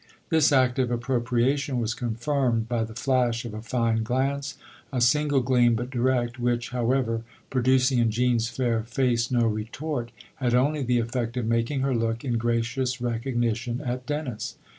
This act of appropriation was confirmed by the flash of a fine glance a single gleam, but direct which, how ever, producing in Jean's fair face no retort, had only the effect of making her look, in gracious recognition, at Dennis.